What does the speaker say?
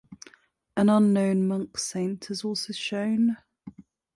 An unknown monk saint is also shown.